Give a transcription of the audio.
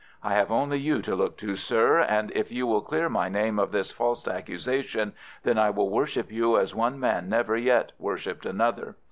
I have only you to look to, sir, and if you will clear my name of this false accusation, then I will worship you as one man never yet worshipped another.